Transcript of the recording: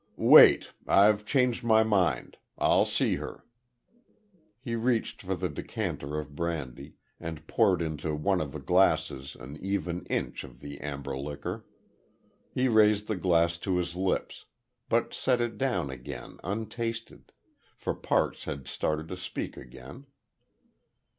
"Wait. I've changed my mind. I'll see her." He reached for the decanter of brandy, and poured into one of the glasses an even inch of the amber liquor. He raised the glass to his lips; but set it down again untasted; for Parks had started to speak again.